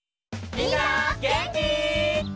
みんなげんき？